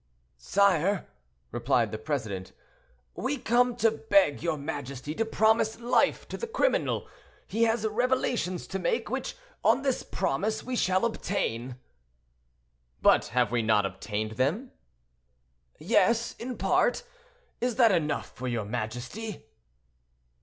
"Sire," replied the president, "we come to beg your majesty to promise life to the criminal; he has revelations to make, which, on this promise, we shall obtain." "But have we not obtained them?" "Yes, in part; is that enough for your majesty?"